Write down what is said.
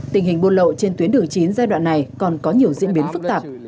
tình hình buôn lậu trên tuyến đường chín giai đoạn này còn có nhiều diễn biến phức tạp